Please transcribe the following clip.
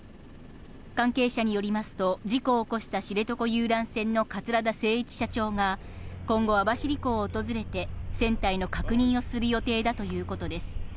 関係者によりますと、事故を起こした知床遊覧船の桂田精一社長が今後、網走港を訪れて、船体の確認をする予定だということです。